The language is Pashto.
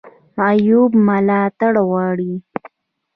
معیوب ملاتړ غواړي